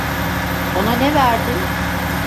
Ona ne verdin?